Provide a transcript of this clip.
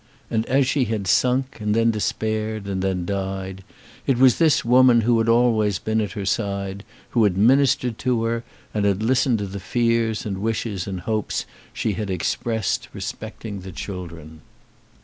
And as she had sunk, and then despaired, and then died, it was this woman who had always been at her side, who had ministered to her, and had listened to the fears and the wishes and hopes she had expressed respecting the children.